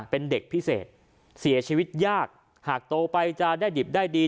เป็นเด็กพิเศษเสียชีวิตยากหากโตไปจะได้ดิบได้ดี